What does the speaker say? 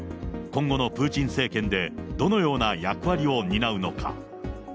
今後のプーチン政権でどのような役割を担うのか。